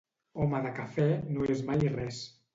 Home de cafè no és mai res.